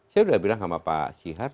saya sudah bilang sama pak sihar